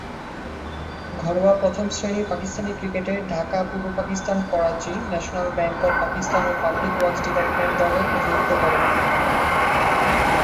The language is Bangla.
ঘরোয়া প্রথম-শ্রেণীর পাকিস্তানি ক্রিকেটে ঢাকা, পূর্ব Pakistan, Karachi, National Bank of Pakistan ও পাবলিক ওয়ার্কস ডিপার্টমেন্ট দলের প্রতিনিধিত্ব করেন।